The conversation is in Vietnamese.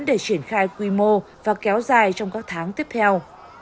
để triển khai quy mô và kéo dài trong các tháng tiếp theo